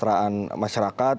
meningkatkan standar masyarakat